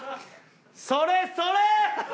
それそれ！